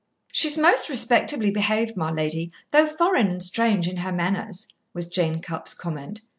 "She's most respectably behaved, my lady, though foreign and strange in her manners," was Jane Cupp's comment.